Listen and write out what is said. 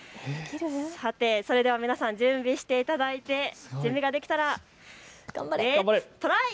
それでは皆さん、準備していただいて、準備ができたらレッツトライ！